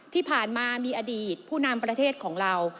ที่ผ่านมามีอดีตผู้นำประเทศของเรา